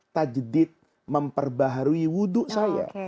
tajdid memperbaharui wudhu saya